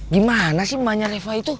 gimana sih memanjakan reva itu